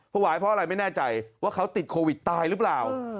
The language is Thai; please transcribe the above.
วายเพราะอะไรไม่แน่ใจว่าเขาติดโควิดตายหรือเปล่า